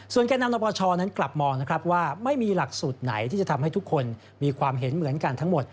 แก่นำนปชนั้นกลับมองนะครับว่าไม่มีหลักสูตรไหนที่จะทำให้ทุกคนมีความเห็นเหมือนกันทั้งหมด